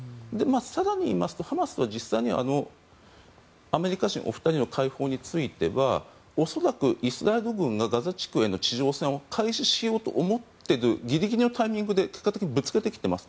更に言いますとハマスと実際にはアメリカ人お二人の解放については恐らくイスラエル軍がガザ地区への地上戦を開始しようと思っているギリギリのタイミングで結果的にぶつけてきています。